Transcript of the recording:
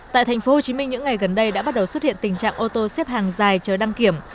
tại tp hcm những ngày gần đây đã bắt đầu xuất hiện tình trạng ô tô xếp hàng dài chờ đăng kiểm